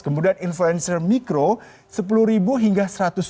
kemudian influencer mikro sepuluh hingga seratus